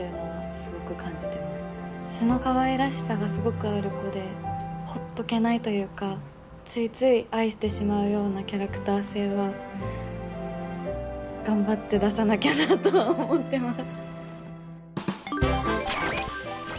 素のかわいらしさがすごくある子でほっとけないというかついつい愛してしまうようなキャラクター性は頑張って出さなきゃなとは思ってます。